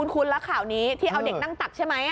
คุ้นแล้วข่าวนี้ที่เอาเด็กนั่งตักใช่ไหม